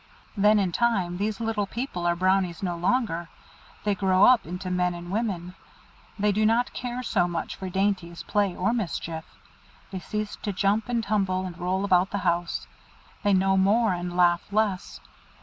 Then in time these Little People are Brownies no longer. They grow up into men and women. They do not care so much for dainties, play, or mischief. They cease to jump and tumble, and roll about the house. They know more, and laugh less.